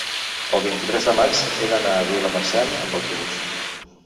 El vint-i-tres de maig he d'anar a Vilamarxant amb autobús.